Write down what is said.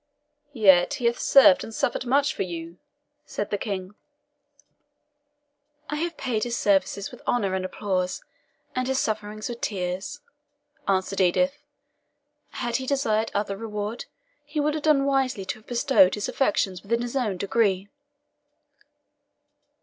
"Yet he hath served and suffered much for you," said the King. "I have paid his services with honour and applause, and his sufferings with tears," answered Edith. "Had he desired other reward, he would have done wisely to have bestowed his affections within his own degree."